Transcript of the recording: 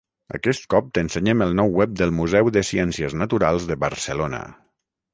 Aquest cop t'ensenyem el nou web del Museu de Ciències Naturals de Barcelona.